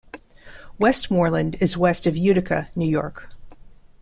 Westmoreland is west of Utica, New York.